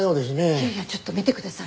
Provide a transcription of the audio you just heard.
いやいやちょっと見てください。